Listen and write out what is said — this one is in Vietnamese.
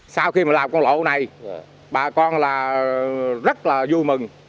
sau khi mà làm con lộ này bà con là rất là vui mừng